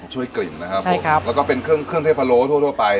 ช่วยกลิ่นนะครับใช่ครับแล้วก็เป็นเครื่องเครื่องเทพะโล้ทั่วไป